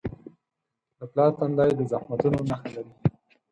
د پلار تندی د زحمتونو نښه لري.